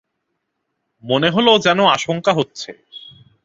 মনে কেন যেন আশংকা হচ্ছে।